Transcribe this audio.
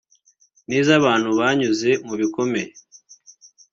ni iz’abantu banyuze mu bikomeye